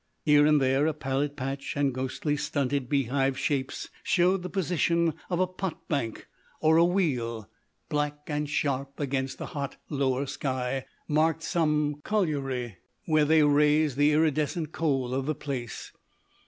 Here and there a pallid patch and ghostly stunted beehive shapes showed the position of a pot bank, or a wheel, black and sharp against the hot lower sky, marked some colliery where they raise the iridescent coal of the place.